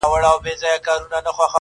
هغې نجلۍ ته مور منګی نه ورکوینه--!